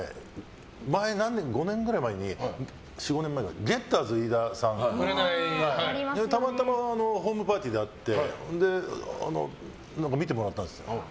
４５年ぐらい前にゲッターズ飯田さん、たまたまホームーパーティーで会って見てもらったんですよ。